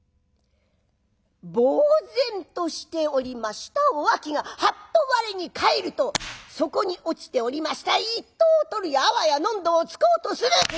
ぼう然としておりましたおあきがハッと我に返るとそこに落ちておりました一刀を取るやあわや喉を突こうとする！